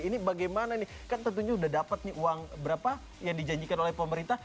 ini bagaimana nih kan tentunya sudah dapat nih uang berapa yang dijanjikan oleh pemerintah